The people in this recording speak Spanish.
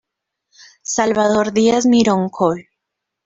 Salvador Díaz Mirón Col.